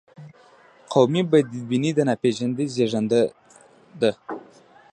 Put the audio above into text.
قومي بدبیني د ناپېژندنې زیږنده ده.